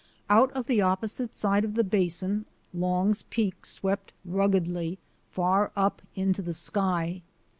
Out of the opposite side of the Basin, Long's Peak swept ruggedly far up into the sky.